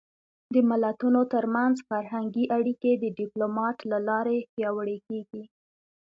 د ملتونو ترمنځ فرهنګي اړیکې د ډيپلومات له لارې پیاوړې کېږي.